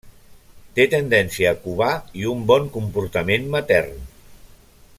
Té tendència a covar i un bon comportament matern.